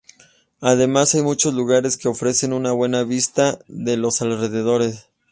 Además hay muchos lugares que ofrecen una buena vista de los alrededores.